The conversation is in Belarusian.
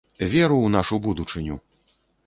Веру ў нашу будучыню!